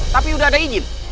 tapi udah ada izin